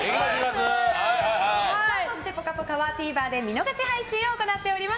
そして「ぽかぽか」はＴＶｅｒで見逃し配信を行っております。